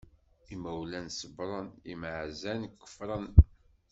Imawlan ṣebṛen, imɛazzan kefṛen.